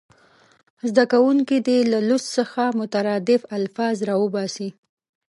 زده کوونکي دې له لوست څخه مترادف الفاظ راوباسي.